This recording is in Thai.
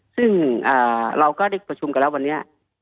ซึ่งเราก็ได้ประชุมกันแล้ววันนี้